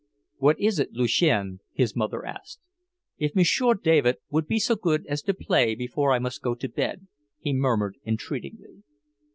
"What is it, Lucien?" his mother asked. "If Monsieur David would be so good as to play before I must go to bed " he murmured entreatingly.